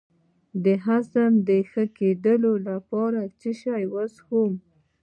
د هضم د ښه کیدو لپاره څه شی وڅښم؟